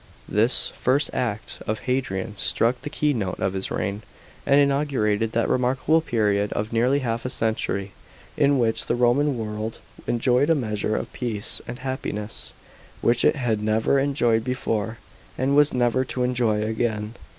§ 5. This first act of Hadrian struck the keynote of his reign, and inaugurated that remarkable period of nearly half a century, in which the Roman world enjoyed a measure of peace and happiness, which it had never enjoyed before and was never to enjoy again.